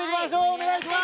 お願いします！